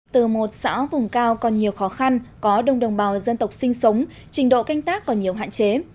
từ một xã vùng cao còn nhiều khó khăn có đông đồng bào dân tộc sinh sống trình độ canh tác còn nhiều hạn chế